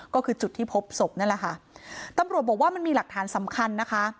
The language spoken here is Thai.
ก็คือจุดที่พบศพนั่นแหละค่ะตำรวจบอกว่ามันมีหลักฐานสำคัญนะคะ